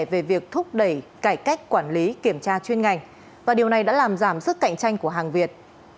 về việc thúc đẩy cải cách quản lý kiểm tra chuyên ngành và điều này đã làm giảm sức cạnh tranh của hàng việt